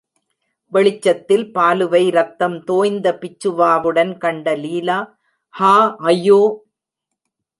வெளிச்சத்தில் பாலுவை ரத்தம் தோய்ந்த பிச்சுவாவுடன் கண்ட லீலா ஹா ஐயோ!